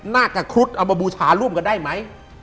น่าจะครุฑเอามาบูชาร่วมกันได้ไหม